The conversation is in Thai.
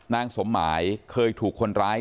นางสมหมายเคยถูกคนร้าย